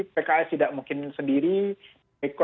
pks tidak mungkin sendiri